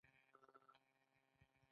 دا حاصلات د ژوند لپاره بسنه نه کوله.